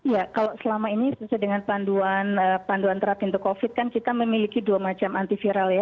ya kalau selama ini sesuai dengan panduan terapindo covid kan kita memiliki dua macam antiviral ya